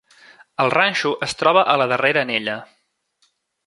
El ranxo es troba a la darrera anella.